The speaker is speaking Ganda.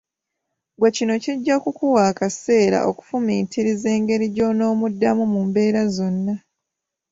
Ggwe kino kijja kukuwa akaseera okufumintiriza engeri gy’onoomuddamu mu mbeera zonna.